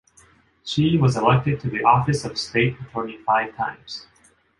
She was elected to the Office of State Attorney five times.